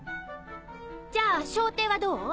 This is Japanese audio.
じゃあ掌底はどう？